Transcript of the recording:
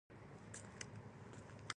دوی د خپلو کارکوونکو ساتنه کوي.